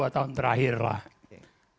tapi jangan dipungkiri pak iwan ini orang baru